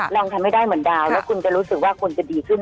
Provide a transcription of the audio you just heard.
ลองทำให้ได้เหมือนดาวแล้วคุณจะรู้สึกว่าคนจะดีขึ้น